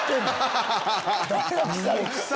ハハハハ！